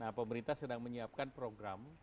dan sebetulnya pemerintah sudah menyiapkan program